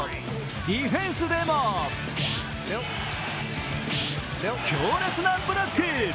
ディフェンスでも、強烈なブロック。